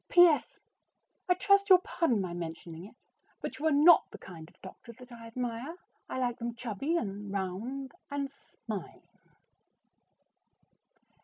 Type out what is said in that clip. P.S. I trust you will pardon my mentioning it, but you are not the kind of doctor that I admire. I like them chubby and round and smiling.